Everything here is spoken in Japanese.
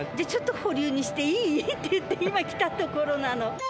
ちょっと保留にしていい？って言って、今、着たところなの。